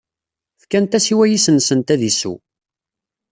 Fkant-as i wayis-nsent ad isew.